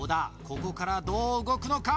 ここからどう動くのか？